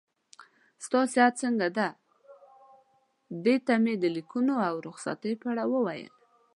ستا صحت څنګه دی؟ دې ته مې د لیکونو او رخصتۍ په اړه وویل.